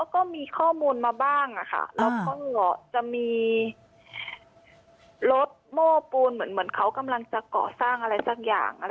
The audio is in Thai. ก็มีข้อมูลมาบ้างแล้วก็จะมีรถโม้ปูนเหมือนเขากำลังจะก่อสร้างอะไรสักอย่าง